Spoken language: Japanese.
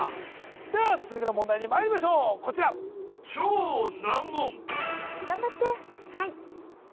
では続いての問題にまいりましょうこちら・頑張ってはい